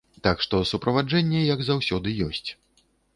Так што, суправаджэнне, як заўсёды, ёсць.